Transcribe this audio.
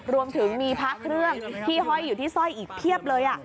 รวมถึงมีพระเครื่องที่ห้อยอยู่ที่สร้อยอีกเพียบเลย